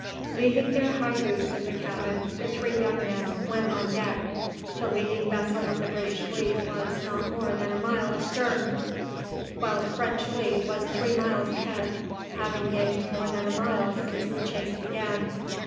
Leaving their high boots in the cabin, the three young men went on deck. The leading vessel of the British fleet was not more than a mile astern, while the French fleet was three miles ahead, having gained more than a mile since the chase began.